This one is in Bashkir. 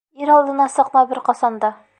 Ир алдына сыҡма бер ҡасан да!